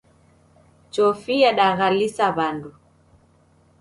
Chofi yadaghalisa w'andu.